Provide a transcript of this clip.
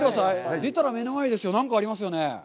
出たら目の前に何かありますよね！